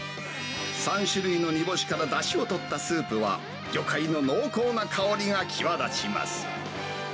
３種類の煮干しからだしをとったスープは、魚介の濃厚な香りが際立ちます。